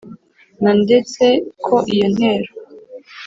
na ndetse ko iyo ntero